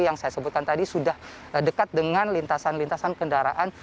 yang saya sebutkan tadi sudah dekat dengan lintasan lintasan kendaraan